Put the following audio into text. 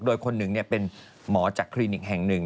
โดยคนหนึ่งเป็นหมอจากคลินิกแห่งหนึ่ง